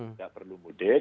tidak perlu mudik